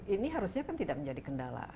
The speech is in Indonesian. ini harusnya kan tidak menjadi kendala